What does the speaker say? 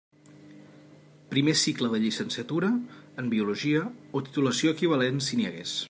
Primer cicle de la Llicenciatura en Biologia, o titulació equivalent si n'hi hagués.